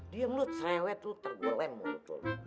diam lu cewek lu terguleng mulu tuh